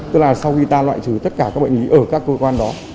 tức là sau khi ta loại trừ tất cả các bệnh lý ở các cơ quan đó